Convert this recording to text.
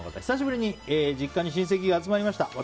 久しぶりに実家に親戚が集まりました。